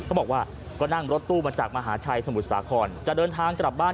บอกว่าก็นั่งรถตู้มาจากมหาชัยสมุทรสาครจะเดินทางกลับบ้าน